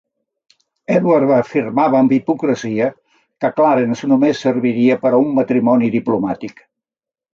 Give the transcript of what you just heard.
Edward afirmava amb hipocresia que Clarence només serviria per a un matrimoni diplomàtic.